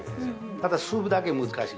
ただ、スープだけ難しい。